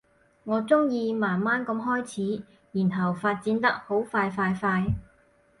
我鍾意慢慢噉開始，然後發展得好快快快